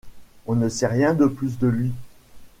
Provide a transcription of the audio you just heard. On ne sait rien de plus de lui.